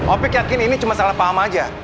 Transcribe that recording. opik yakin ini cuma salah paham aja